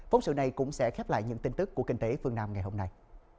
phóng sự này cũng sẽ khép lại những tin tức của kinh tế phương nam ngày hôm nay